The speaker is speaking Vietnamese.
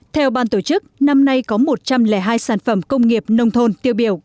theo ban tổ chức năm nay có một trăm linh hai sản phẩm công nghiệp nông thôn tiêu biểu cấp quốc gia